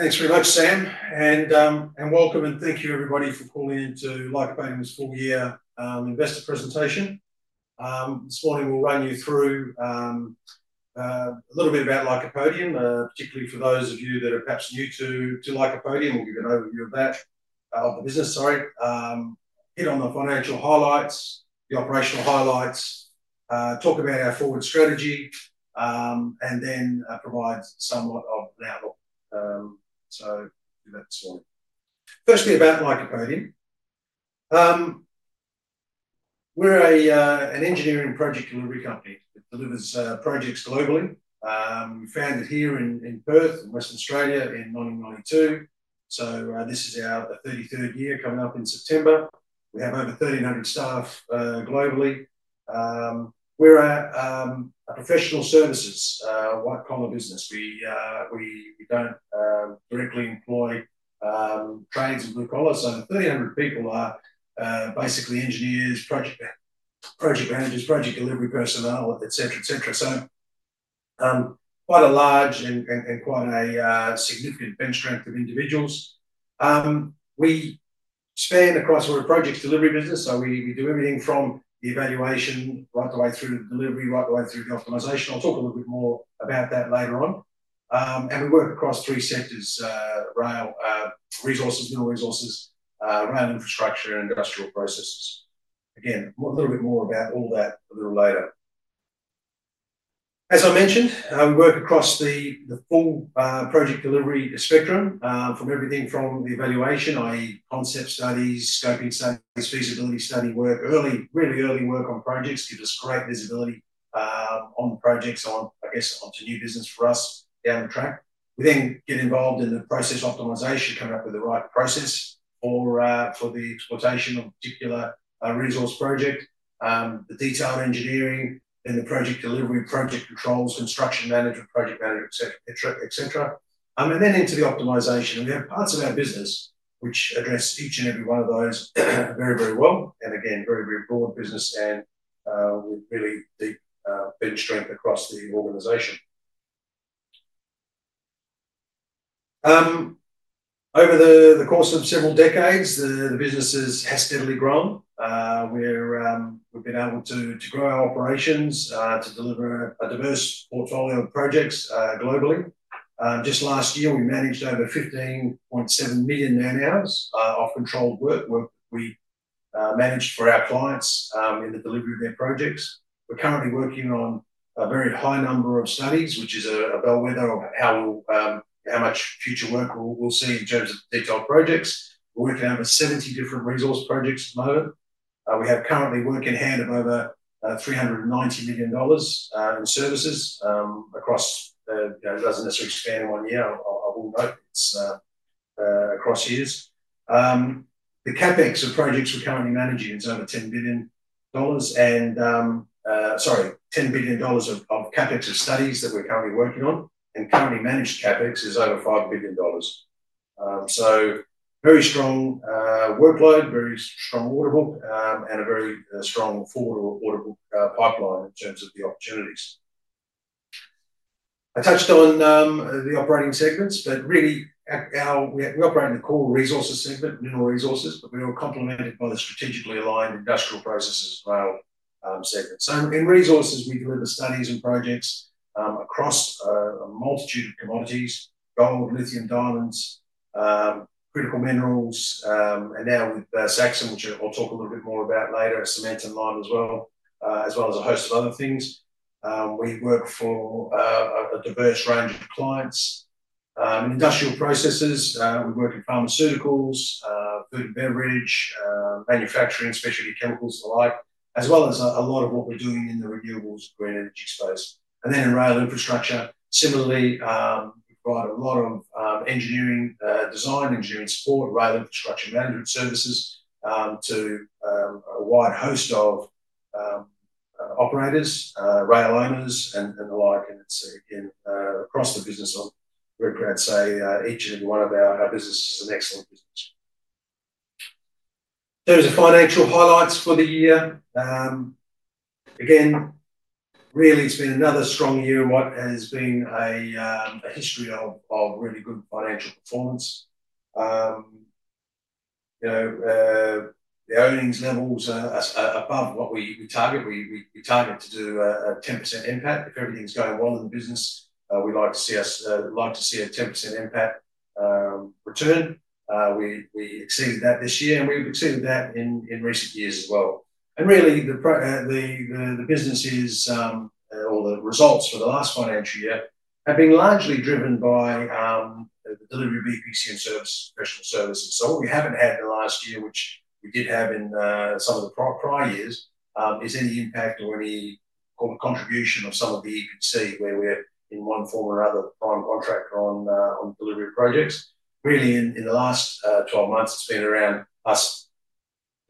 Thanks very much, Sam. Welcome and thank you, everybody, for pulling into Lycopodium's Full-Year Investor Presentation. This morning we'll run you through a little bit about Lycopodium, particularly for those of you that are perhaps new to Lycopodium. We'll give you an overview of the business, hit on the financial highlights, the operational highlights, talk about our forward strategy, and then provide somewhat of an outlook. We'll do that this morning. Firstly, about Lycopodium. We're an engineering and project delivery company that delivers projects globally. We founded here in Perth, Western Australia, in 1992. This is our 33rd year coming up in September. We have over 1,300 staff globally. We're a professional services, white-collar business. We don't directly employ trades and blue-collar. So, 1,300 people are basically engineers, project managers, project delivery personnel, et cetera. Quite a large and significant benchmark of individuals. We span across, we're a project delivery business. We do everything from the evaluation right the way through to delivery, right the way through to the optimisation. I'll talk a little bit more about that later on. We work across three sectors: rail, resources, mineral resources, rail infrastructure, and industrial processes. Again, a little bit more about all that a little later. As I mentioned, we work across the full project delivery spectrum, from everything from the evaluation, i.e., concept studies, scoping studies, feasibility study work, early, really early work on projects, give us great visibility on projects, on, I guess, onto new business for us down the track. We then get involved in the process optimisation, coming up with the right process for the exploitation of a particular resource project, the detailed engineering, then the project delivery, project controls, construction management, project management, et cetera, and then into the optimisation. There are parts of our business which address each and every one of those very well. Again, very broad business and really the biggest strength across the organisation. Over the course of several decades, the business has steadily grown. We've been able to grow our operations to deliver a diverse portfolio of projects globally. Just last year, we managed over 15.7 million man-hours of controlled work. We managed for our clients in the delivery of their projects. We're currently working on a very high number of studies, which is a bellwether of how much future work we'll see in terms of detailed projects. We're working on over 70 different resource projects at the moment. We are currently working hand of over 390 million dollars in services across the, you know, it doesn't necessarily extend one year or all, but it's across years. The capex of projects we're currently managing is over 10 billion dollars. Sorry, 10 billion dollars of capex of studies that we're currently working on and currently managed capex is over 5 billion dollars. Very strong workload, very affordable, and a very strong affordable pipeline in terms of the opportunities. I touched on the operating segments, but really how we operate in the core resources segment, mineral resources, but we are complemented by the strategically aligned industrial processes as well, segments. In resources, we deliver studies and projects across a multitude of commodities: gold, lithium, diamonds, critical minerals, and now with SAXUM, I'll talk a little bit more about later, cement and lime as well, as well as a host of other things. We work for the broad round of clients. In industrial processes, we work in pharmaceuticals, food and beverage, manufacturing, specialty chemicals alike, as well as a lot of what we're doing in the renewables, green energy space. In rail infrastructure, similarly, we provide a lot of engineering, design engineering support, rail infrastructure management services to a wide host of operators, rail owners, and the like across the business. I'm very proud to say each and one of our businesses is an excellent business. In terms of financial highlights for the year, again, really, it's been another strong year in what has been a history of really good financial performance. The earnings levels are above what we target. We target to do a 10% NPAT margin. If everything's going well in the business, we'd like to see us, we'd like to see a 10% NPAT margin return. We exceeded that this year, and we've exceeded that in recent years as well. The businesses, or the results for the last financial year, have been largely driven by delivery of EPC projects and EPCM services. What we haven't had in the last year, which we did have in some of the prior years, is any impact or any contribution of some of the EPC where we're, in one form or another, the prime contractor on delivery of projects. Really, in the last 12 months, it's been around us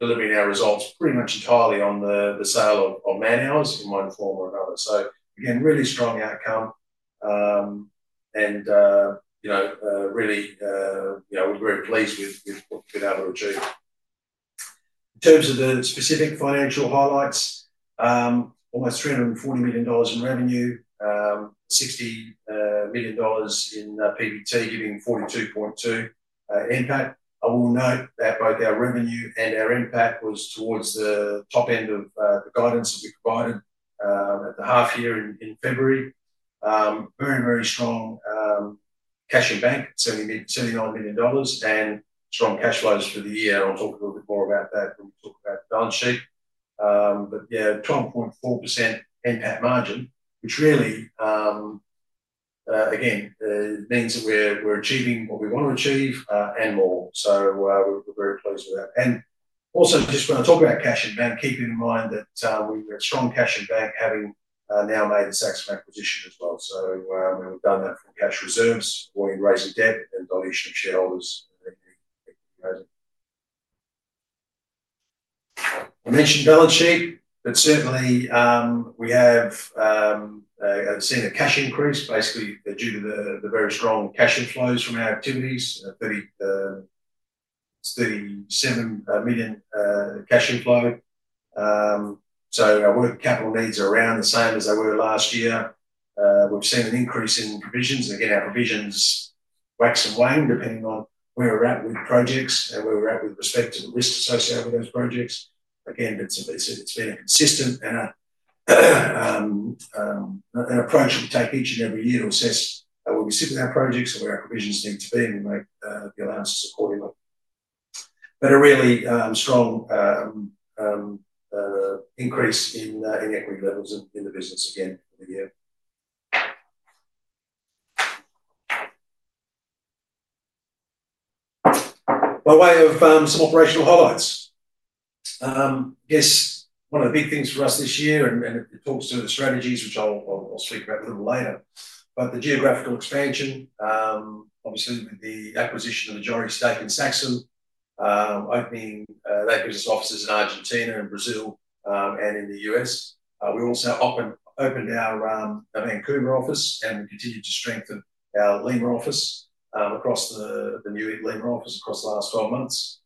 delivering our results pretty much entirely on the sale of man-hours in one form or another. Again, really strong outcome, and, you know, really, you know, we're very pleased with what we've been able to achieve. In terms of the specific financial highlights, almost 340 million dollars in revenue, 60 million dollars in PBT, giving 42.2 NPAT. I will note that both our revenue and our impact was towards the top end of the guidance that we provided half year in February. Very, very strong cash advance in the mid [AUS 200 million] and strong cash flows for the year. I'll talk a little bit more about that. We'll talk about the balance sheet. Yeah, 12.4% NPAT margin, which really, again, means that we're achieving what we want to achieve, and more. We're very close to that. Also, just when I talk about cash advance, keep in mind that we've got strong cash advance having now made a satisfactory position as well. When we've done that, cash reserves will erase the debt and acknowledge the shareholders. I mentioned balance sheet, but certainly, we have seen a cash increase based due to the very strong cash inflows from our activities, 37 million cash inflow. Our work capital needs are around the same as they were last year. We've seen an increase in provisions. Again, our provisions wax and wane depending on where we're at with projects and where we're at with respect to the risks associated with those projects. It's been a consistent and an approach we take each and every year to assess where we sit in our projects or where our provisions need to be and we might be allowed to support them. A really strong increase in equity levels in the business again for the year. By way of some operational highlights, I guess one of the big things for us this year, and it talks to the strategies, which I'll speak about a little later, is the geographical expansion, obviously, the acquisition of the majority stake in SAXUM, opening their business offices in Argentina and Brazil, and in the US. We also opened our Vancouver office and we continued to strengthen our Lima office, the new Lima office across the last 12 months.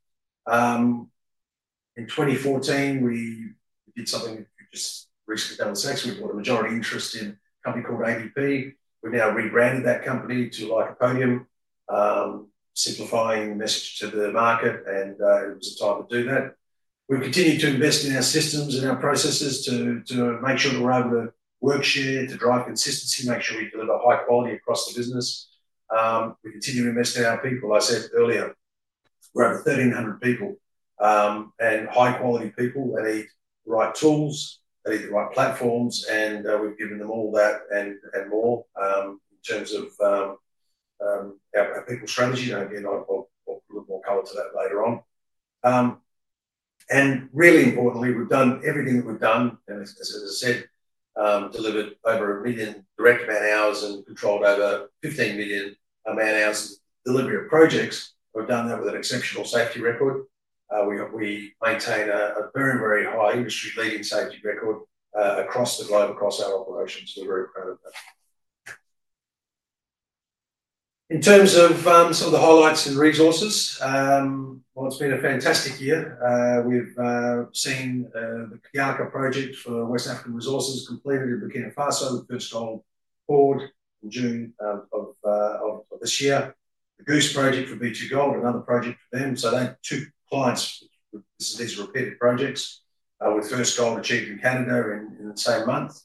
In 2014, we did something recently with SAXUM. We bought a majority interest in a company called ADP. We've now rebranded that company to Lycopodium, simplifying the message to the market to try to do that. We've continued to invest in our systems and our processes to make sure that we're able to work shared, to drive consistency, make sure you deliver high quality across the business. We continue investing in our people. I said earlier, we're up to 1,300 people, and high-quality people that need the right tools, need the right platforms, and we've given them all that and more, in terms of our people strategy. I'll look more comment to that later on. Really important, I think we've done everything that we've done, as I said, delivered over a million direct man-hours and controlled over 15 million man-hours delivery of projects. We've done that with an exceptional safety record. We maintain a very, very high industry-leading safety record across the globe, across our operations here. In terms of some of the highlights and resources, it's been a fantastic year. We've seen the Kiaka Gold Project for West African Resources completed with Burkina Faso, the first gold award in June of this year. The Goose Project for B2Gold, another project for them. They took clients for this, these repeated projects, with first gold achieved in Canada in the same month.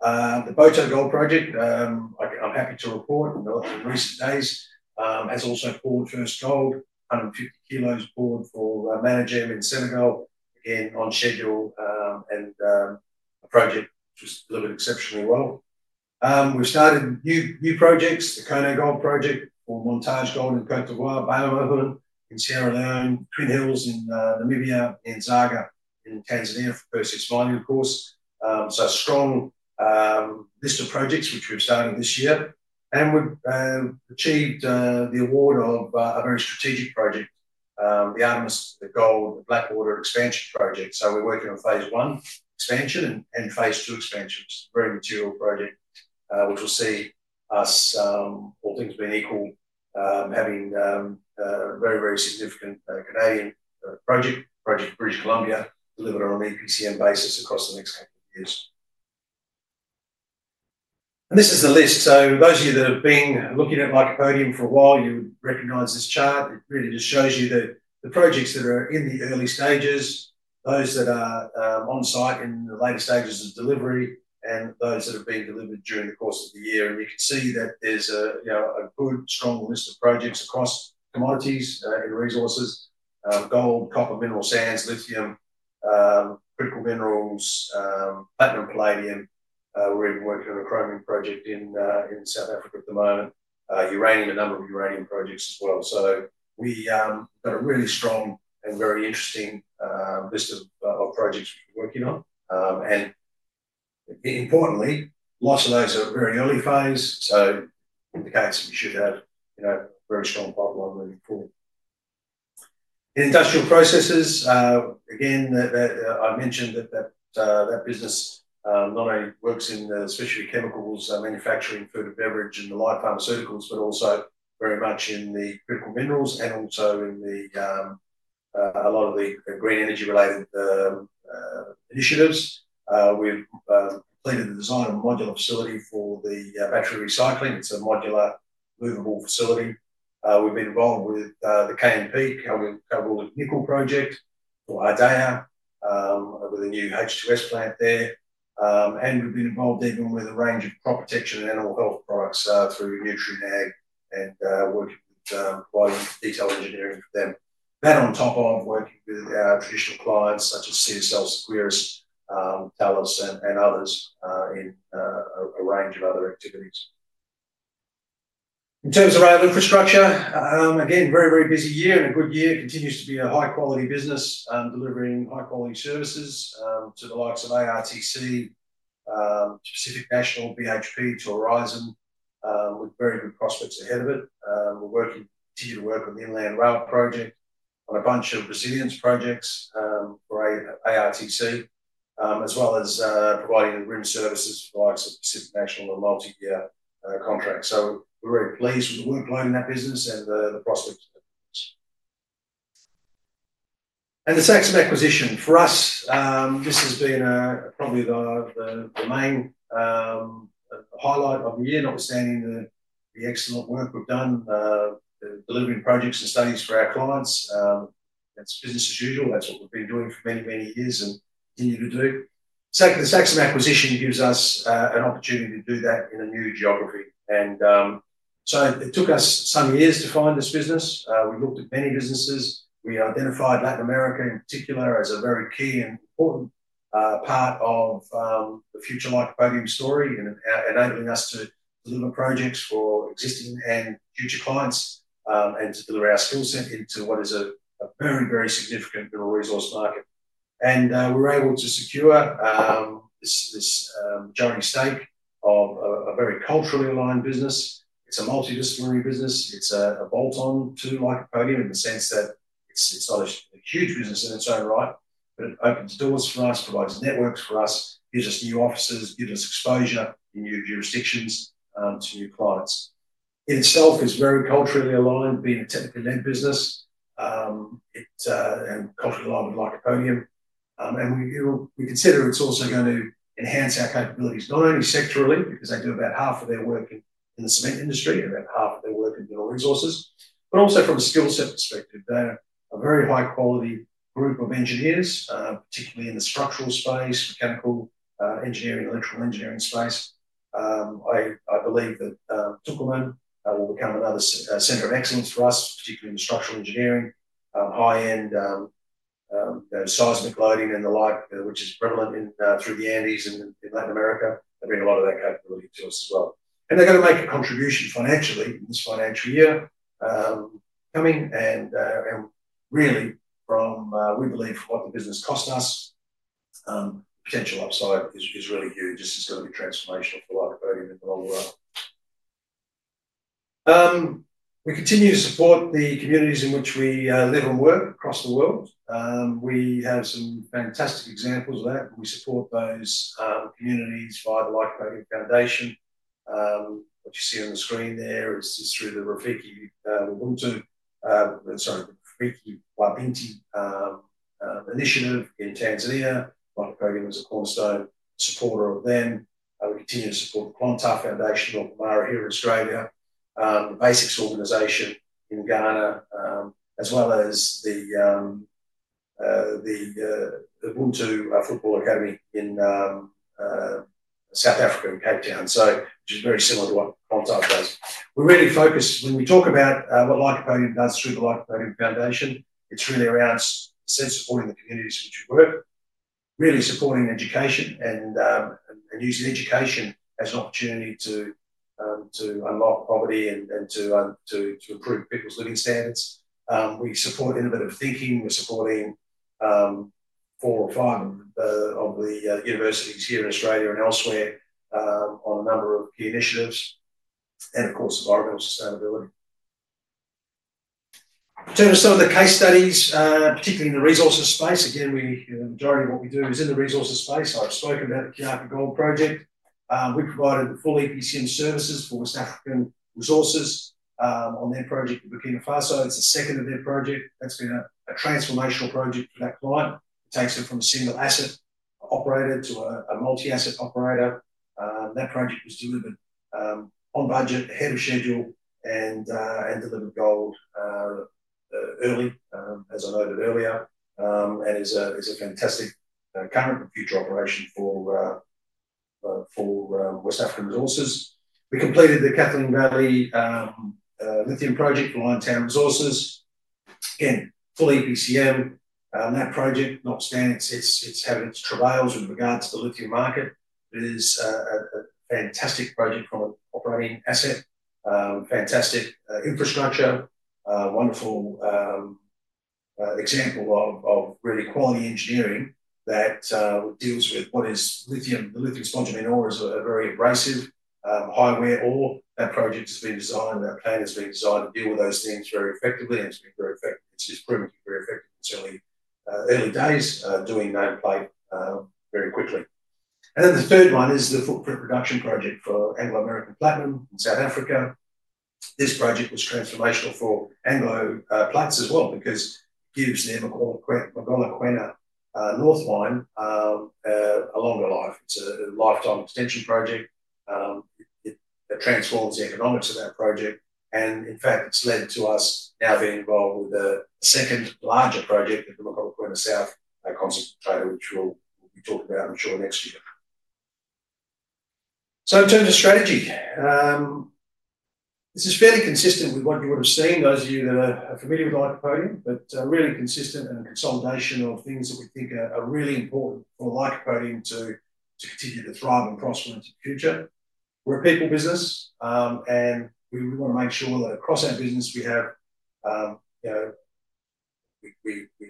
The Boto Gold project, I'm happy to report in the last few recent days, has also poured first gold. 100 kg poured from the manager in Senegal, again, on schedule, and the project was delivered exceptionally well. We've started new projects, the Koné Gold project for Montage Gold in Côte d'Ivoire, Baomahun in Sierra Leone, Twin Hills in Namibia, Nyanzaga in Tanzania for the first its mining course. Strong list of projects which we've started this year. We've achieved the award of a very strategic project, the Artemis Gold Blackwater Expansion project. We're working on phase I expansion and phase II expansion. It's a very material project, which will see us, all things being equal, having a very, very significant Canadian project, in British Columbia, delivered on an EPCM basis across the next couple of years. This is a list. Those of you that have been looking at Lycopodium for a while recognize this chart. It really just shows you the projects that are in the early stages, those that are on site in the later stages of delivery, and those that have been delivered during the course of the year. We can see that there's a good, strong list of projects across commodities and resources: gold, copper, mineral sands, lithium, critical minerals, platinum, palladium. We're even working on a chromium project in South Africa at the moment. Uranium, a number of uranium projects as well. We've got a really strong and very interesting list of projects we're working on, and importantly, lots of those are very early phase. I guess we should have a very strong pipeline moving forward. In industrial processes, again, I mentioned that business not only works in the specialty chemicals, manufacturing, food and beverage, and the light pharmaceuticals, but also very much in the minerals and also in a lot of the green energy-related initiatives. We've been in the design of a modular facility for battery recycling. It's a modular, movable facility. We've been involved with the KMP, the Cobalt Nickel project for our data, with a new H2S plant there. We've been involved even with a range of crop protection and animal health products through Nutrien and working with, buying the detailed engineering for them. That on top of working with our traditional clients such as CSL Seqirus, Thales, and others. In terms of our infrastructure, again, very, very busy year and a good year. It continues to be a high-quality business, delivering high-quality services to the likes of ARTC, to Pacific National, BHP, to Aurizon, with very good prospects ahead of it. We're working, continue to work with the Inland Rail project on a bunch of resilience projects for ARTC, as well as providing room services for the likes of Pacific National and multiyear contracts. We're very pleased with the workload in that business and the prospects of that business. The SAXUM acquisition, for us, has been probably the main highlight of the year, notwithstanding the excellent work we've done delivering projects and studies for our clients. It's business as usual. That's what we've been doing for many, many years and continue to do. The SAXUM acquisition gives us an opportunity to do that in a new geography. It took us some years to find this business. We looked at many businesses. We identified Latin America in particular as a very key and important part of the future Lycopodium story and enabling us to deliver projects for existing and future clients, and to deliver our skill set into what is a very, very significant mineral resources market. We were able to secure this joining stake of a very culturally aligned business. It's a multidisciplinary business. It's a bolt-on to Lycopodium in the sense that it's not a huge business in its own right, but it opens doors for us, provides networks for us, gives us new offices, gives us exposure in new jurisdictions, to new clients. In itself, it's very culturally aligned, being a tech-connect business. It's culturally aligned with Lycopodium. We consider it's also going to enhance our capabilities, not only sectorally, because they do about half of their work in the cement industry, about half of their work in mineral resources, but also from a skill set perspective. They're a very high-quality group of engineers, particularly in the structural space, mechanical engineering, electrical engineering space. I believe that Tucumán will become another center of excellence for us, particularly in structural engineering, high-end seismic loading and the like, which is prevalent through the Andes and in Latin America. I think a lot of that capability comes to us as well. They're going to make a contribution financially in this financial year coming. We believe what the business costs us, potential upside is really huge. This is still a transformation for Lycopodium in the long run. We continue to support the communities in which we live and work across the world. We have some fantastic examples of that, but we support those communities via the Lycopodium Foundation, which you see on the screen there. It's through the Rafiki Ubuntu, sorry, Rafiki wa Binti initiative in Tanzania. Lycopodium is, of course, a supporter of them. We continue to support the Clontarf Foundation of Māori here in Australia, the B.A.S.I.C.S organization in Ghana, as well as the Ubuntu Football Academy in South Africa in Cape Town, which is very similar to what Clontarf does. We really focus, when we talk about what Lycopodium does through the Lycopodium Foundation, it's really around supporting the communities in which we work, really supporting education and using education as an opportunity to unlock poverty and to improve people's living standards. We support innovative thinking. We're supporting four or five of the universities here in Australia and elsewhere on a number of key initiatives. Of course, the vibrant sustainability. In terms of some of the case studies, particularly in the resources space, again, the majority of what we do is in the resources space. I've spoken about the Kiaka Gold Project. We provided the full EPCM services for West African Resources on their project in Burkina Faso. It's the second of their projects. That's been a transformational project for that client, transferred from a single asset operator to a multi-asset operator. That project was delivered on budget, ahead of schedule, and delivered gold early, as I noted earlier, as a fantastic, current and future operation for West African Resources. We completed the Kathleen Valley Lithium Project for Liontown Resources. Again, full EPCM, that project, notwithstanding its havoc, it's had its travails with regard to the lithium market. It is a fantastic project for operating asset, fantastic infrastructure, wonderful example of really quality engineering that deals with what is lithium. The lithium contaminant ore is a very abrasive, hard ore. That project's been designed, that plant has been designed to deal with those things very effectively and to improve it. It's just proven to be very effective. It's only early days, doing that quite very quickly. The third one is the Footprint Reduction Project for Anglo American Platinum in South Africa. This project was transformational for Anglo plants as well because it gives them a Mogalakwena mine, a longer life. It's a lifetime extension project. It transforms the economics of that project. In fact, it's led to us now being involved with the second larger project at the [Mogalakwena] South, a concept which we'll be talking about, I'm sure, next year. In terms of strategy, this is fairly consistent with what you would have seen, those of you that are familiar with Lycopodium, but a really consistent and consolidation of things that we think are really important for Lycopodium to continue to thrive and cross into the future. We're a people business, and we want to make sure that across our business, we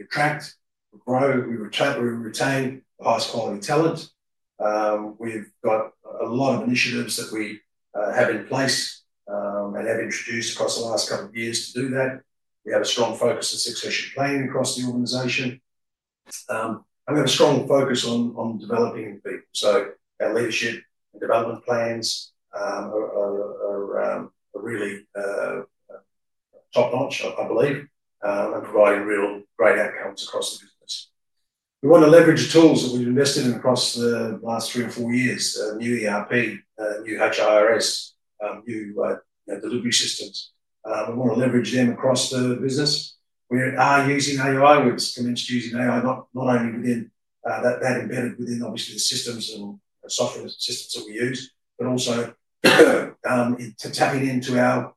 attract, we grow, we retain highest quality talent. We've got a lot of initiatives that we have in place and have introduced across the last couple of years to do that. We have a strong focus on succession planning across the organization. I'm going to strongly focus on developing. Our leadership development plans are really top-notch, I believe, and providing real great outcomes across the business. We want to leverage the tools that we've invested in across the last three or four years, the new ERP, new HIRS, new delivery systems. We want to leverage them across the business. We are using AI. We're convinced using AI, not only within that embedded within, obviously, the systems and the software systems that we use, but also to tune into our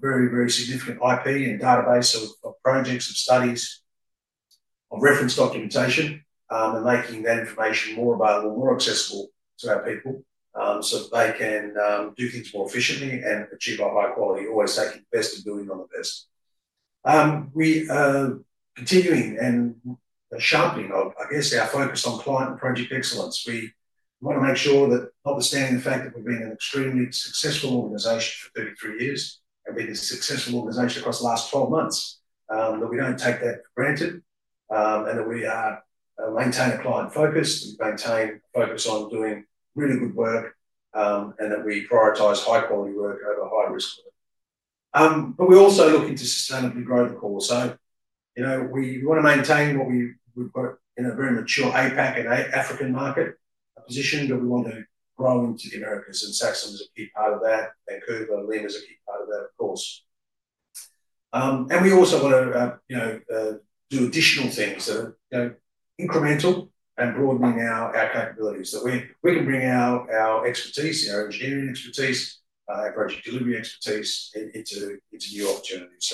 very, very significant IP and database. We've got projects and studies of reference documentation, and making that information more available, more accessible to our people, so that they can do things more efficiently and achieve our high quality, always taking the best of doing on the best. We are continuing and sharpening, I guess, our focus on client and project excellence. We want to make sure that, notwithstanding the fact that we've been an extremely successful organization for the previous few years, and we've been a successful organization across the last 12 months, that we don't take that for granted, and that we maintain a client focus and maintain focus on doing really good work, and that we prioritize high-quality work over high-risk work. We also look into sustainability growth, of course. We want to maintain what we've got in a very mature APAC and African market position that we want to grow into the Americas, and SAXUM is a key part of that. Latin America is a key part of that, of course. We also want to do additional things that are incremental and broadening our capabilities. We can bring our expertise, our engineering expertise, our project delivery expertise into new opportunities.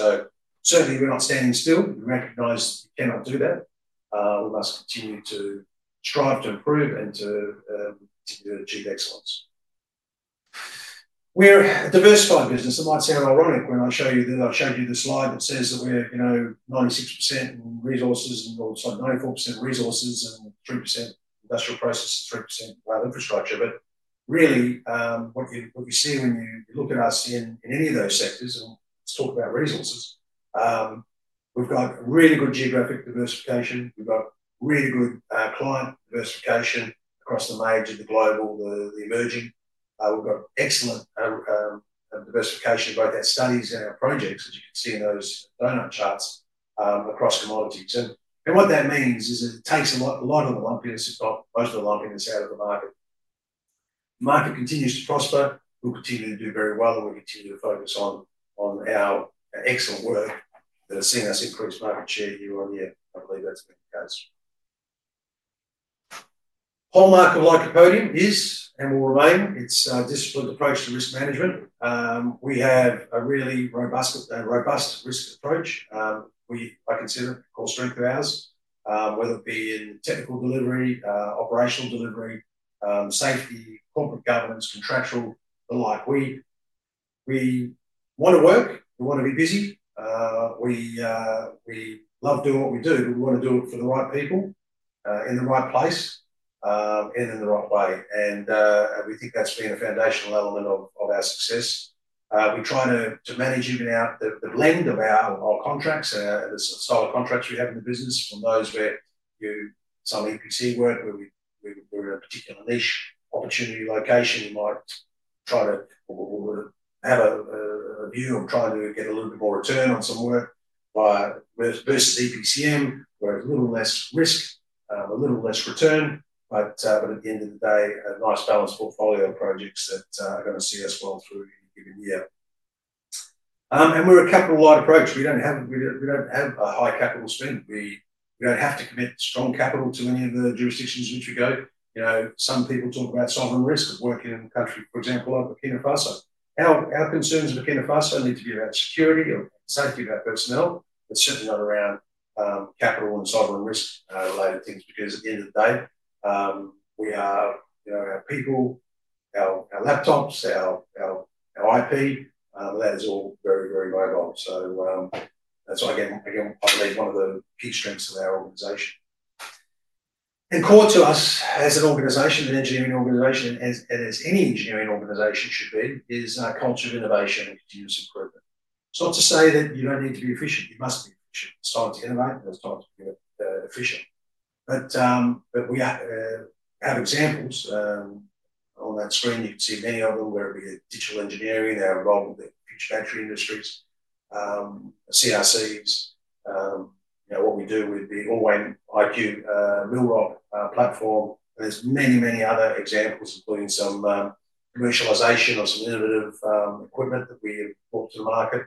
Certainly, we're not standing still. We recognize we cannot do that. We'll have to continue to strive to improve and to achieve excellence. We're a diversified business. It might sound ironic when I show you the slide that says that we're, you know, 96% resources and also 94% resources and 3% industrial processes, 3% rail infrastructure. What you see when you look at us in any of those sectors, and let's talk about resources, we've got really good geographic diversification. We've got really good client diversification across the major, the global, the emerging. We've got excellent diversification of both our studies and our projects, as you can see in those charts, across commodities. What that means is it takes a lot of lumpiness, if not most of the lumpiness, out of the market. The market continues to prosper. We'll continue to do very well, and we continue to focus on our excellent work that has seen us increase market share year on year. I believe that's been the case. The hallmark of Lycopodium is and will remain its disciplined approach to risk management. We have a really robust risk approach. I consider it, think of ours, whether it be in technical delivery, operational delivery, safety, corporate governance, contractual, the like. We want to work. We want to be busy. We love doing what we do, but we want to do it for the right people, in the right place, and in the right way. We think that's been the foundational element of our success. We try to manage, even out the blend of our contracts and the style of contracts we have in the business from those where you suddenly can see work where we're a particular niche opportunity location. You might try to or have a view or try to get a little bit more return on some work by versus EPCM, where a little less risk, a little less return. At the end of the day, a nice balanced portfolio of projects that are going to suit us well through the year. We're a capital-wide approach. We don't have a high capital spend. We don't have to commit strong capital to any of the jurisdictions in which we go. Some people talk about sovereign risk of working in the country, for example, of Burkina Faso. Our concerns in Burkina Faso need to be about security or the safety of our personnel. It's certainly not around capital and sovereign risk-related things because at the end of the day, we are, you know, our people, our laptops, our IP, that's all very, very mobile. That's why, again, I believe one of the key strengths of our organization. Core to us as an organization, an engineering organization, and as any engineering organization should be, is a culture of innovation and continuous improvement. It's not to say that you don't need to be efficient. You must be efficient. It's fine to innovate, but it's not to be efficient. We have examples. I'll not spoon you too many of them, whether it be digital engineering, our role with the battery industries, CRCs, you know, what we do with the Orway IQ-MillROC platform. There are many, many other examples of doing some commercialization of some innovative equipment that we import to the market.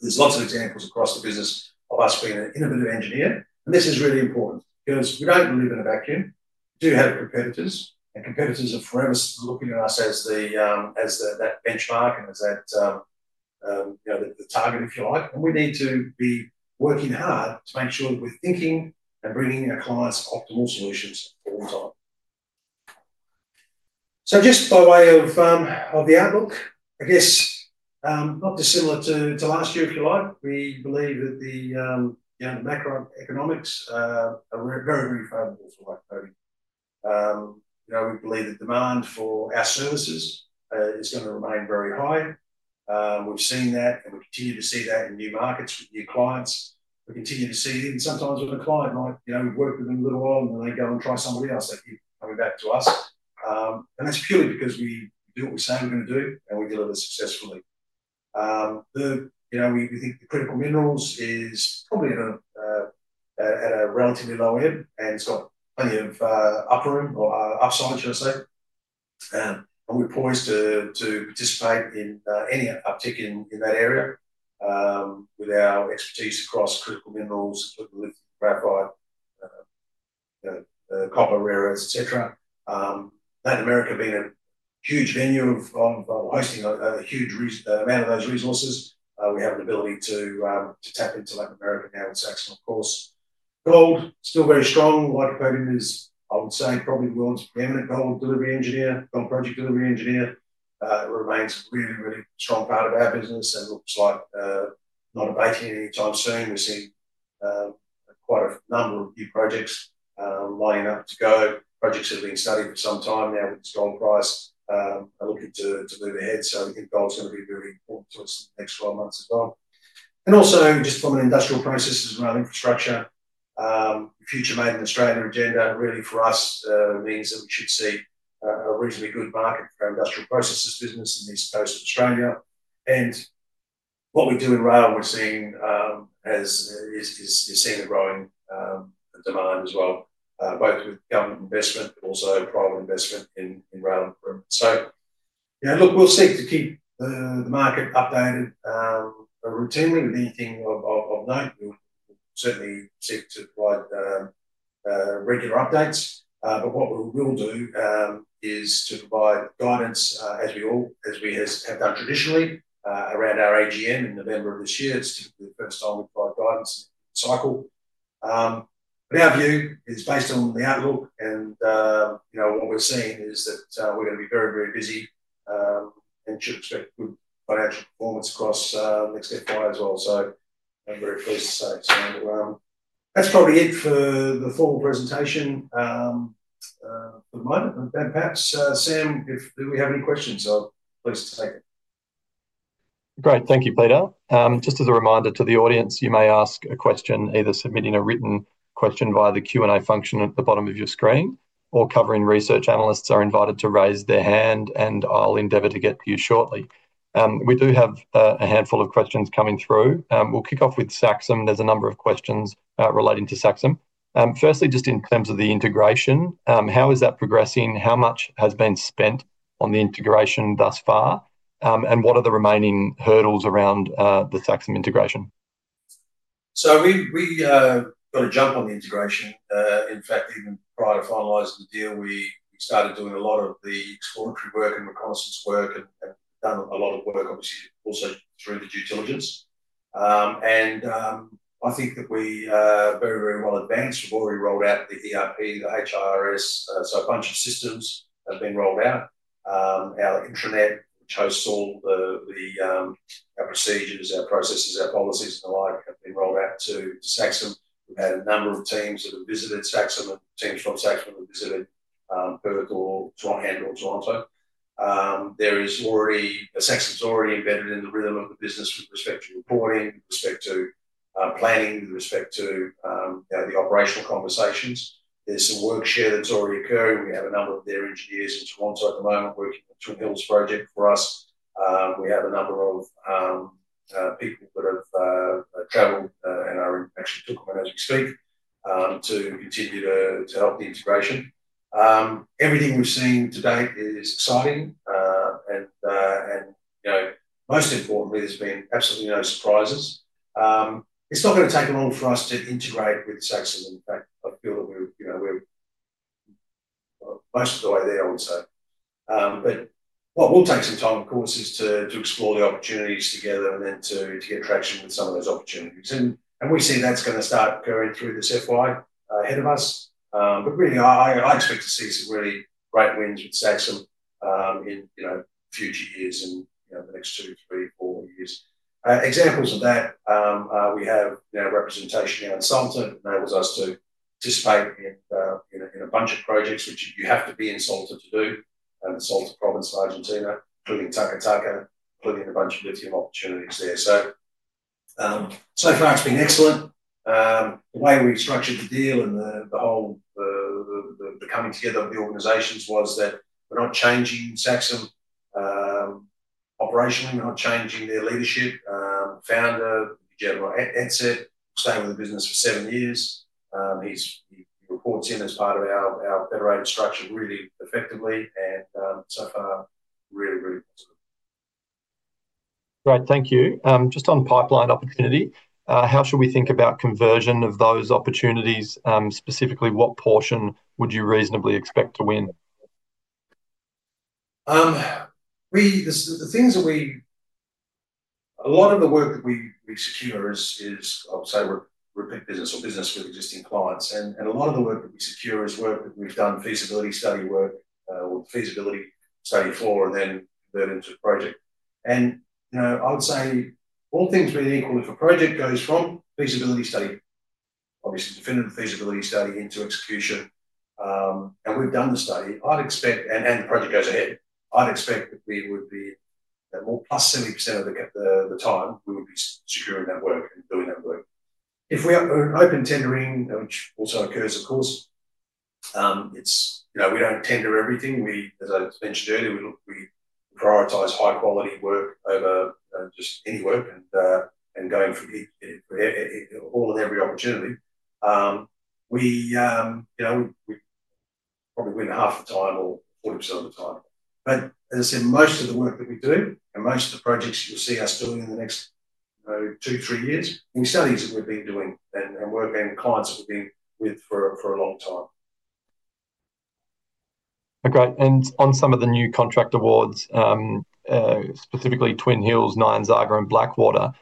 There are lots of examples across the business of us being an innovative engineer. This is really important. You know, we don't live in a vacuum. We do have competitors. Competitors are forever looking at us as the benchmark and as that, you know, the target of charge. We need to be working hard to make sure that we're thinking and bringing our clients optimal solutions. Just by way of the outlook, I guess, not dissimilar to last year, if you like. We believe that the macroeconomics are very, very favorable for Lycopodium. We believe that demand for our services is going to remain very high. We've seen that. We continue to see that in new markets with new clients. We continue to see it. Sometimes when a client might, you know, work with them a little while and then they go and try somebody else, they'll come back to us. This is purely because we do what we say we're going to do and we do it successfully. We think the critical minerals is probably at a relatively low end and it's got plenty of upper end or upside, should I say. We're poised to participate in any uptake in that area, with our expertise across critical minerals, equipment with graphite, copper, rare earths, et cetera. Latin America being a huge venue of hosting a huge amount of those resources. We have an ability to tap into Latin America now, et cetera, of course. Gold, still very strong. Lycopodium is, I would say, probably willing to be a permanent gold delivery engineer, gold project delivery engineer. It remains a really, really strong part of our business and looks like, not a vacuum anytime soon. We see quite a number of new projects lining up to go. Projects have been studied for some time now with a strong price and looking to move ahead. It will ultimately be very important to us in the next 12 months as well. Also, just from an industrial processes around infrastructure, the Future Made in Australia agenda really for us means that we should see a reasonably good market for our industrial processes business in East Coast Australia. What we do in rail, we're seeing, as you see, the growing demand as well, both with government investment but also private investment in rail and equipment. We'll seek to keep the market updated routinely. Anything of note, we'll certainly seek to provide regular updates. What we will do is to provide guidance, as we have done traditionally, around our AGM in November of this year. It's typically the first time we provide guidance cycle. Our view is based on the outlook and, you know, what we're seeing is that we're going to be very, very busy and should, should, should, financial performance across next fifth year as well. A very close sight. That's probably it for the full presentation at the moment. I'm glad that's, Sam, if we have any questions, I'll let us take it. Great. Thank you, Peter. Just as a reminder to the audience, you may ask a question either by submitting a written question via the Q&A function at the bottom of your screen, or covering research analysts are invited to raise their hand, and I'll endeavor to get to you shortly. We do have a handful of questions coming through. We'll kick off with SAXUM. There's a number of questions relating to SAXUM. Firstly, just in terms of the integration, how is that progressing? How much has been spent on the integration thus far, and what are the remaining hurdles around the SAXUM integration? We got a jump on the integration. In fact, even prior to finalizing the deal, we started doing a lot of the export converting across its work and done a lot of work, obviously, also through the due diligence. I think that we are very, very well advanced. We've already rolled out the ERP, the HRS, self-conscious systems have been rolled out. Our intranet, which hosts all the procedures, processes, policies, and the like, have been rolled out to SAXUM. We've had a number of teams that have visited SAXUM, the teams from SAXUM that have visited Perth or or Toronto. There is already a SAXUM that's already embedded in the rhythm of the business with respect to reporting, with respect to planning, with respect to the operational conversations. There's some work share that's already occurring. We have a number of their engineers in Toronto at the moment, working on the Twin Hills project for us. We have a number of people that have traveled and are at the Twin Hills at this thing, to continue to help the integration. Everything we've seen to date is exciting, and, you know, most importantly, there's been absolutely no surprises. It's not going to take long for us to integrate with SAXUM. In fact, I feel we're most of the way there, I would say. What will take some time, of course, is to explore the opportunities together and then to get traction with some of those opportunities. We see that's going to start occurring through this FY ahead of us. I expect to see some really great movement with SAXUM in a few years and, you know, the next two to three, four years. Examples of that, we have representation here in Salta that enables us to participate in a bunch of projects which you have to be in Salta to do. Salta province of Argentina, plugging Taca Taca, plugging a bunch of lithium opportunities there. So far it's been excellent. The way we've structured the deal and the whole coming together of the organizations was that we're not changing SAXUM. Operationally, we're not changing their leadership. Founder, Guillermo Etse, stayed with the business for seven years. He reports in as part of our operating structure really effectively. So far. Great. Thank you. Just on pipeline opportunity, how should we think about conversion of those opportunities? Specifically, what portion would you reasonably expect to win? A lot of the work that we secure is, I'll say, we're repeating this for business with existing clients. A lot of the work that we secure is work that we've done, feasibility study work, or the feasibility study for, and then convert into a project. You know, I'll say all things being equal, if a project goes from feasibility study, obviously definitive feasibility study into execution, and we've done the study, I'd expect, and the project goes ahead, I'd expect that we would be at more +70% of it at the time, we would be securing that work and doing that work. If we're open tendering, which also occurs, of course, we don't tender everything. As I mentioned earlier, we look, we prioritize high quality of work over any work and going for all and every opportunity. We probably win half the time or 40% of the time. As I said, most of the work that we're doing and most of the projects you'll see us doing in the next two, three years, we certainly should be doing and working with clients that we've been with for a long time. Okay. On some of the new contract awards, specifically Twin Hills, Nyanzaga, and Blackwater,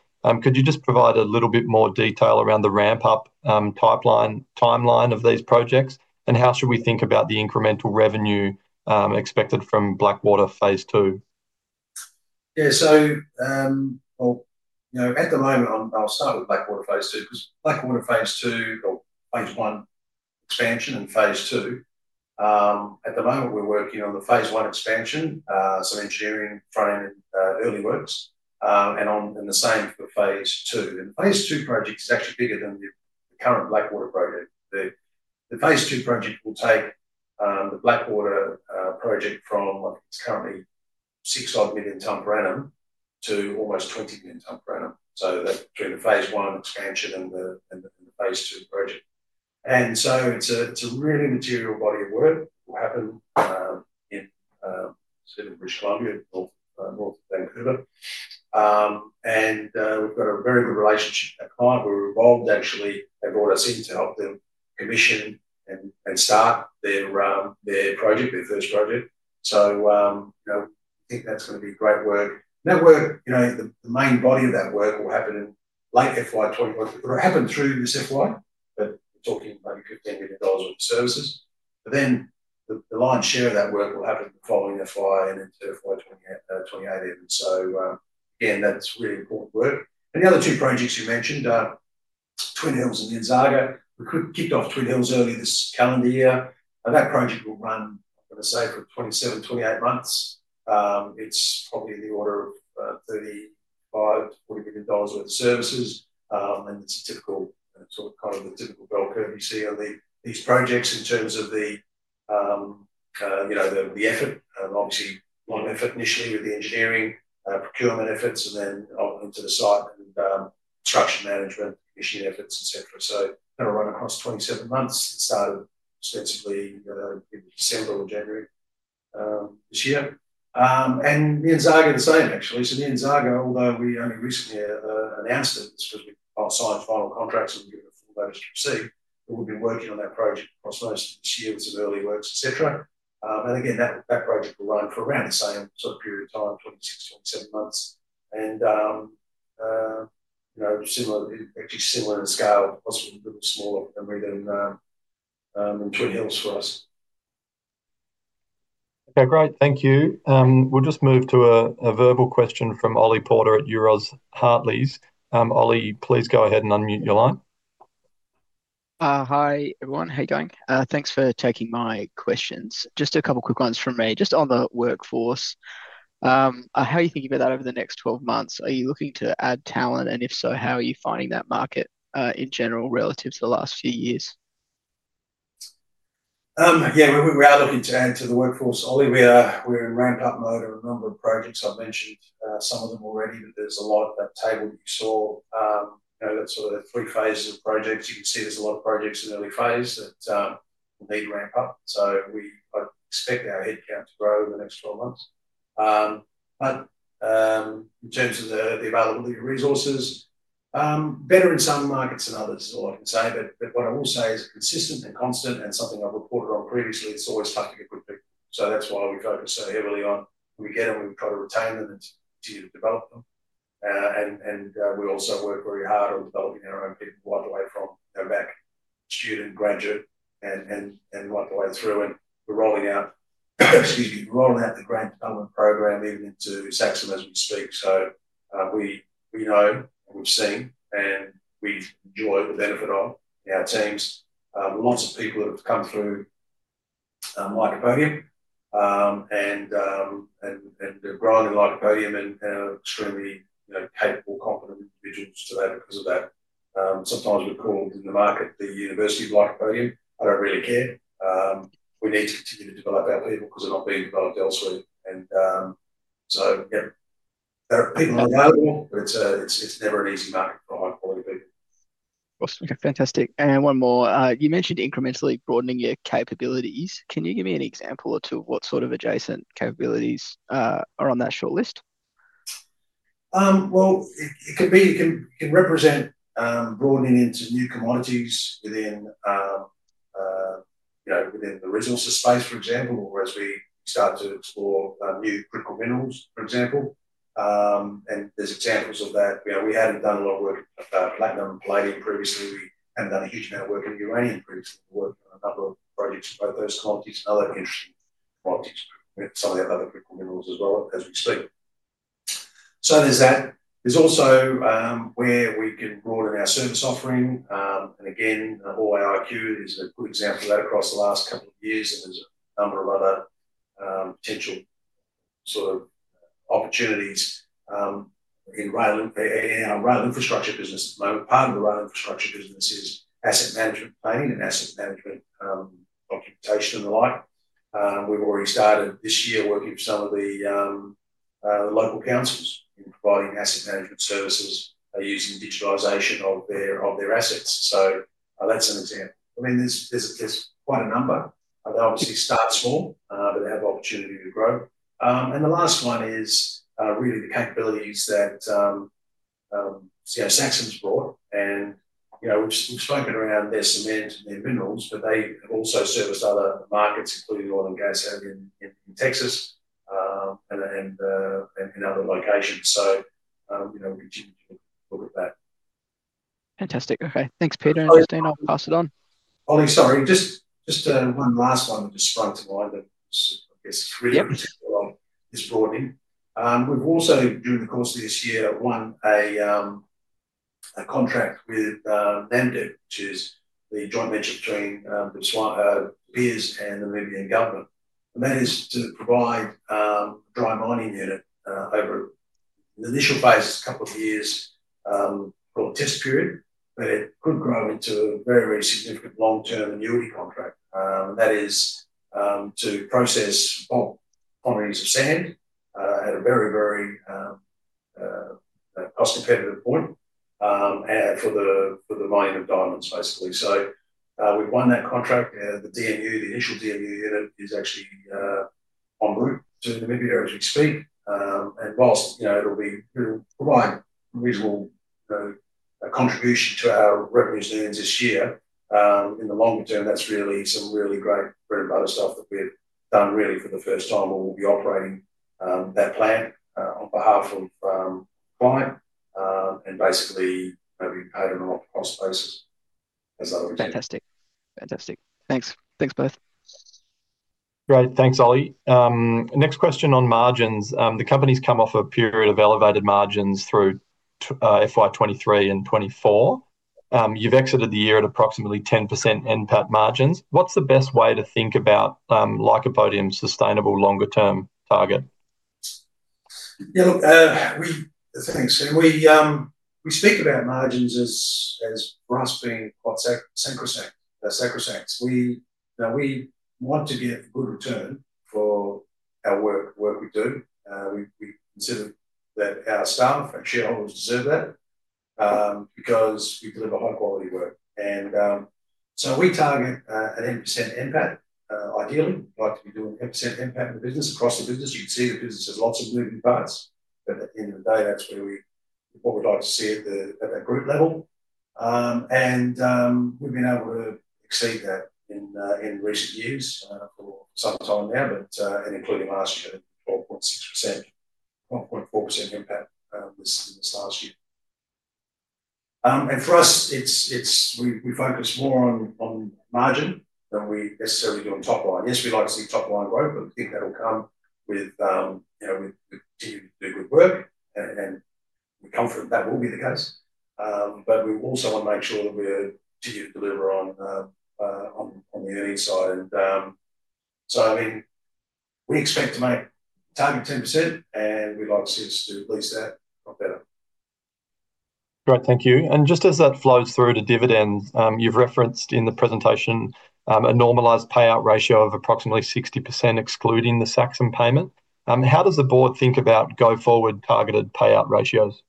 could you just provide a little bit more detail around the ramp-up, pipeline timeline of these projects? How should we think about the incremental revenue expected from Blackwater phase II? Yeah. I'll start with Blackwater phase II. Blackwater phase II, or phase I expansion and phase II. At the moment, we're working on the phase I expansion, some engineering front-end early works, and the same for phase II. The phase II project is actually bigger than the current Blackwater Expansion project. The phase II project will take the Blackwater Expansion project from, I think, it's currently 6.5 million tons per annum to almost 20 million tons per annum. That's between the phase one expansion and the phase two project. It's a really material body of work. It's in British Columbia, north of Vancouver, and we've got a very good relationship with that client. We were involved, actually, they brought us in to help them commission and start their project, their first project. I think that's going to be great work. That work, the main body of that work will happen in late FY 2021, but it will happen through this FY. We're talking about $15 million of services. The lion's share of that work will happen the following FY and into FY 2028. That's really important work. The other two projects you mentioned, Twin Hills and Nyanzaga, we kicked off Twin Hills earlier this calendar year. That project will run for the sake of 27, 28 months. It's probably in the order of $35 million-$40 million worth of services. It's a typical, sort of, kind of a typical bell curve you see on these projects in terms of the effort. Obviously, long effort initiated with the engineering, procurement efforts, and then on to the site and structure management issue efforts, et cetera. It's going to run across 27 months. It started respectively in December or January this year. Nyanzaga the same, actually. Nyanzaga, although we only recently announced it for the outside final contracts and given us the votes to proceed, we'll be working on that project across those years of early works, et cetera. That project will run for around the same sort of period of time, 26, 27 months. It's similar to the scale. It's much smaller than we did in Twin Hills for us. Okay. Great. Thank you. We'll just move to a verbal question from Oli Porter at Euroz Hartleys. Oliver, please go ahead and unmute your line. Hi, everyone. How are you going? Thanks for taking my questions. Just a couple of quick ones from me. Just on the workforce, how are you thinking about that over the next 12 months? Are you looking to add talent? If so, how are you finding that market in general relative to the last few years? Yeah, we're rallying to add to the workforce. Ollie, we're in ramp-up mode on a number of projects. I've mentioned some of them already, but there's a lot table for sure. That's sort of the three phases of projects. You can see there's a lot of projects in the early phase that will need to ramp up. We expect our headcount to grow over the next 12 months. In terms of the availability of resources, better in some markets than others is all I can say. What I will say is consistent and constant and something I've reported on previously, it's always failing. That's why we focus so heavily on, we get them, we try to retain them and continue to develop them. We also work very hard on developing our own people right away from no matter student, graduate, and right the way through. We're rolling out the procedure, we're rolling out the great development program even to SAXUM as we speak. We know and we've seen and we enjoy the benefit of in our teams, lots of people that have come through Lycopodium and they're growing Lycopodium and are extremely, you know, capable, confident individuals today because of that. Sometimes we call it in the market the university of Lycopodium. I don't really care. We need to get people like that people because they're not being developed elsewhere. There are people like that, or it's a, it's never an easy market. Awesome. Okay, fantastic. One more. You mentioned incrementally broadening your capabilities. Can you give me an example or two of what sort of adjacent capabilities are on that shortlist? It can represent broadening into new commodities within the resources space, for example, or as we start to explore new critical minerals, for example. There's examples of that. You know, we hadn't done a lot of work with platinum and palladium previously. In addition, our work with uranium proves that we work on a couple of projects of those commodities, other commodities, some of the other critical minerals as well, as we expect. There's that. There's also where we can broaden our service offering. Again, the whole IRQ is a good example of that across the last couple of years. There's a number of other potential sort of opportunities in our rail infrastructure business at the moment. Part of the rail infrastructure business is asset management planning and asset management documentation and the like. We've already started this year working with some of the local councils in providing asset management services by using digitalisation of their assets. That's an example. I mean, there's quite a number. Obviously, it starts small, but they have the opportunity to grow. The last one is really the capabilities that, you know, SAXUM's bought. We've spoken around their cement and their minerals, but they also service other markets, including oil and gas area in Texas. Fantastic. Okay. Thanks, Peter. Christine, I'll pass it on. Ollie, sorry. Just one last one that just sprung to mind that I guess is really up until this morning. We've also, during the course of this year, won a contract with NAMDEB, which is the joint venture between Pierce and the New Zealand Government. That is to provide a dry mining unit over an initial phase, a couple of years, for a test period. It could grow into a very, very significant long-term renewal contract. That is, to process all pond readers of sand at a very, very U.S. dependent point, and for the mining of diamonds, basically. We've won that contract. The DMU, the initial DMU unit, is actually en route to Namibia as we speak. Whilst it'll provide a visual contribution to our revenues even this year, in the longer term, that's really some really great, really valuable stuff that we've done really for the first time or will be operating that plan on behalf of client, and basically, you know, overnight, I suppose. Fantastic. Thanks, both. Great. Thanks, Ollie. Next question on margins. The company's come off a period of elevated margins through FY 2023 and 2024. You've exited the year at approximately 10% NPAT margins. What's the best way to think about Lycopodium's sustainable longer-term target? Yeah, look, it's happening soon. We think about margins as, for us, being quite sacrosanct. We want to get a good return for our work we've done. We consider that our staff and children deserve that, because you deliver high-quality work. We target an 8% NPAT, ideally. We'd like to be doing an 8% NPAT in the business across the business. You can see the business has lots of moving parts. At the end of the day, that's really what we'd like to see at the group level. We've been able to feed that in, in recent years, for some time now, including last year, 46%, 44% NPAT this last year. For us, we focus more on margin than we necessarily do on top line. Yes, we'd like to see top line growth, but you've got to come with good work and comfort that will be the case. We also want to make sure that we're achieving the delivery on the earnings side. I mean, we expect to make a target of 10%, and we'd like to see us do at least that. Great. Thank you. Just as that flows through to dividend, you've referenced in the presentation a normalized payout ratio of approximately 60% excluding the SAXUM payment. How does the board think about going forward targeted payout ratios?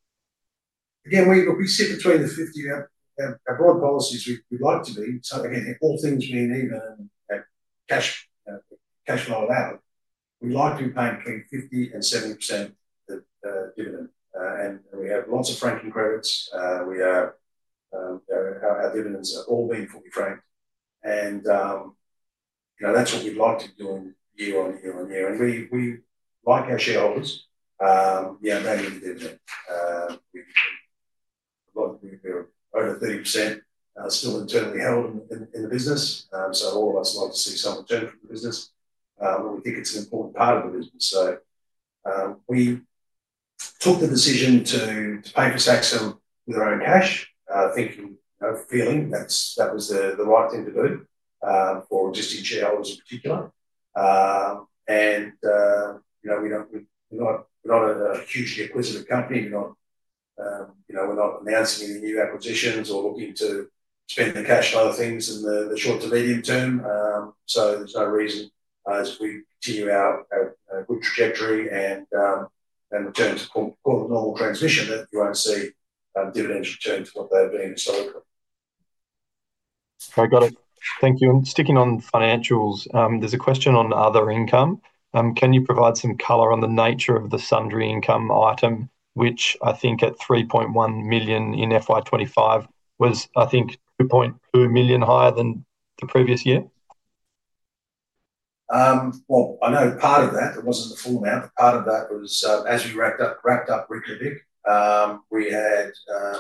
Again, we stick between the 50%. Our broad policy is we'd like to be, so again, all things being even, and cash flow allowed, we'd like to be paying between 50%-70% dividend. We have lots of franking credits. Our dividends have all been fully franked. That's what you'd like to do year on year on year. We like our shareholders, yeah, and they need the dividend. We feel over 30% are still internally held in the business. All of us would like to see some return for the business, where we think it's an important part of the business. We took the decision to pay for SAXUM with our own cash, thinking and feeling that that was the right thing to do, for distant shareholders in particular. We're not a hugely acquisitive company. We're not announcing any new acquisitions or looking to spend the cash for other things in the short to medium term. There's no reason, as we continue our good trajectory and return to a normal transition, that you won't see dividends return to what they've been historically. Okay. Got it. Thank you. Sticking on financials, there's a question on other income. Can you provide some color on the nature of the sundry income item, which I think at $3.1 million in FY 2025 was, I think, $2.2 million higher than the previous year? I know part of that, it wasn't the full amount, but part of that was as we wrapped up recently. We had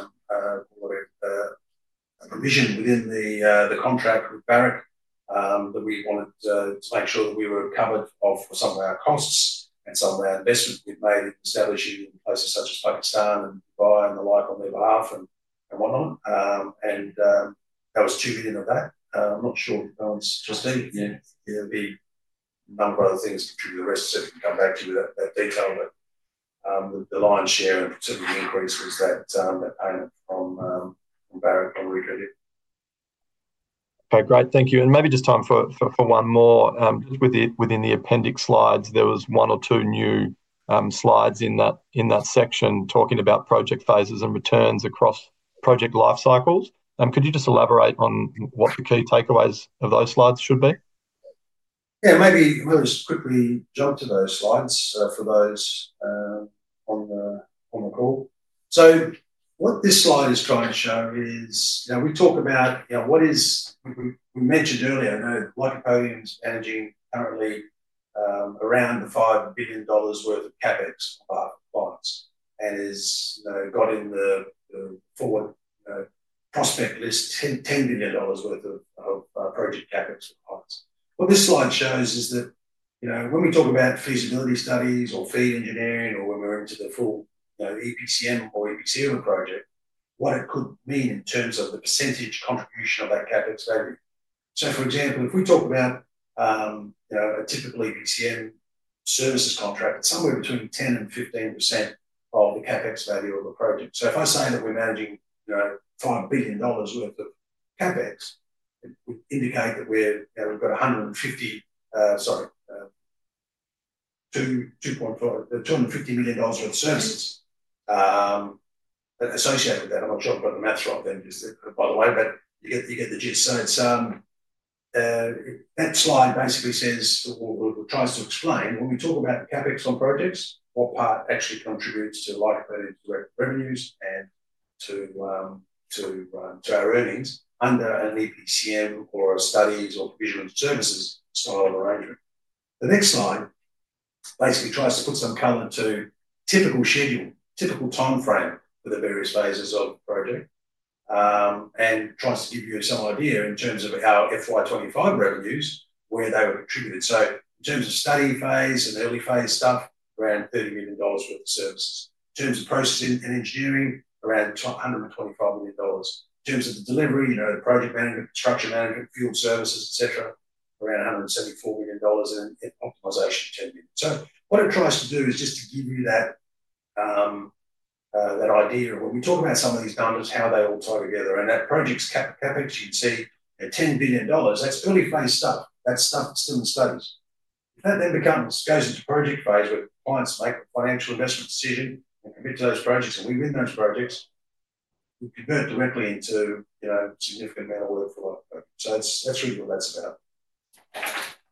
a provision within the contract with Barrick that we wanted to make sure that we were covered for some of our costs and some of our investment. It made it established in places such as Pakistan and Dubai and the like on their behalf and whatnot. That was $2 million of that. I'm not sure it's just me. There's been a number of things to be addressed that we can come back to you with that detail. The lion's share of the % increase was that owned from Barrick. Okay. Great. Thank you. Maybe just time for one more. Within the appendix slides, there was one or two new slides in that section talking about project phases and returns across project lifecycles. Could you just elaborate on what the key takeaways of those slides should be? Yeah, maybe I'll just quickly jump to those slides for those on the call. What this slide is trying to show is, you know, we talk about, you know, what is, we mentioned earlier, Lycopodium's energy currently, around the $5 billion worth of capex clients and has got in the forward prospect list $10 billion worth of. What this slide shows is that, you know, when we talk about feasibility studies or fee engineering or when we're into the full EPCM or EPC project, what it could mean in terms of the percentage contribution of that capex value. For example, if we talk about, you know, a typical EPCM services contract, it's somewhere between 10%-15% of the capex value of the project. If I say that we're managing, you know, $5 billion worth of capex, it would indicate that we're, you know, we've got $150 million, sorry, $250 million worth of services associated with that. I'm not sure I've got the maths right then just to pile away, but you get the gist. The slide basically says or tries to explain when we talk about the capex on projects, what part actually contributes to Lycopodium's direct revenues and to our earnings under an EPCM or a studied or provisioned services style arrangement. The next slide basically tries to put some color to typical schedule, typical timeframe for the various phases of the project, and tries to give you some idea in terms of our FY 2025 revenues, where they would have contributed. In terms of study phase and early phase stuff, around $30 million worth of services. In terms of processing and engineering, around $125 million. In terms of the delivery, you know, the project management, structure management, field services, etc., around $174 million in optimization in terms. What it tries to do is just to give you that idea of when we talk about some of these numbers, how they all tie together. That project's capex, you'd see, at $10 billion. That's early phase stuff. That's stuff that's in the studies. That then becomes the strategic project phase where clients make a financial investment decision, commit to those projects, and we win those projects. We convert directly into, you know, a significant amount of work for that. That's really what that's about.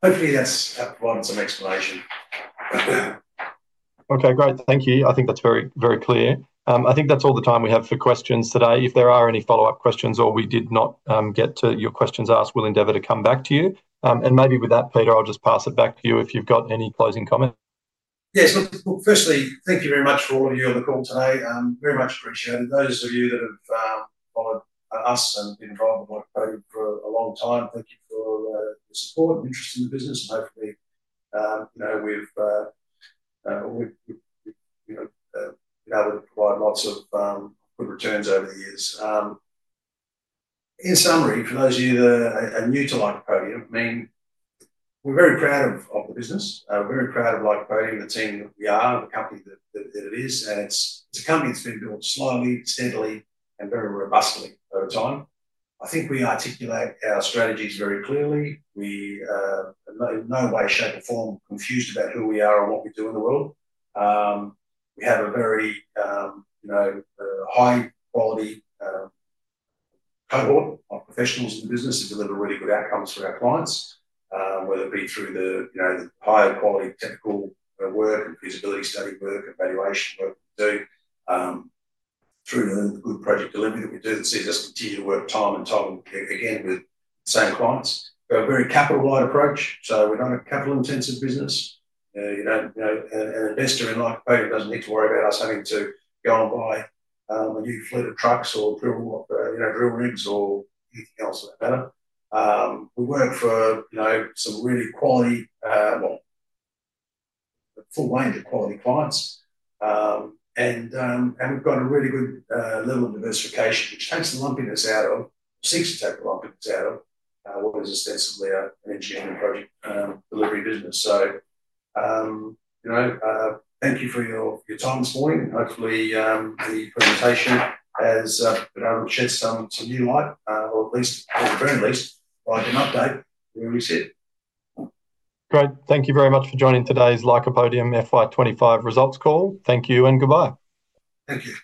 Hopefully, that's providing some explanation. Okay. Great. Thank you. I think that's very, very clear. I think that's all the time we have for questions today. If there are any follow-up questions or we did not get to your questions asked, we'll endeavor to come back to you. Maybe with that, Peter, I'll just pass it back to you if you've got any closing comments. Yeah. Firstly, thank you very much for all of you on the call today. Very much appreciate it. Those of you that have followed us and been a part of Lycopodium for a long time, thank you for the support and interest in the business. Hopefully, you know, we've been able to provide lots of good returns over the years. In summary, for those of you that are new to Lycopodium, I mean, we're very proud of the business. We're very proud of Lycopodium, the team that we are, the company that it is. It's coming to build slowly, steadily, and very robustly over time. I think we articulate our strategies very clearly. We, in no way, shape or form confuse you about who we are and what we do in the world. We have a very, you know, high-quality cohort of professionals in the business to deliver really good outcomes for our clients, whether it be through the, you know, higher quality technical work, feasibility study work, evaluation work we do, through the good project delivery that we do. It seems us to do the work time and time again with the same clients. We have a very capital-light approach. We're not a capital-intensive business. You know, you know, an investor in Lycopodium doesn't need to worry about us having to go and buy a new fleet of trucks or drill rigs or anything else for that matter. We work for, you know, some really quality, well, a full range of quality clients, and we've got a really good level of diversification, which takes the lumpiness out of, seeks to take the lumpiness out of, what is ostensibly our engineering project delivery business. Thank you for your time this morning. Hopefully, the presentation has been able to shed some new light, or at least a friendly light and update on where we sit. Great. Thank you very much for joining today's Lycopodium's FY 2025 Results Call. Thank you and goodbye.